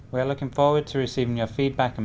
qua địa chỉ facebook truyền hình nhân dân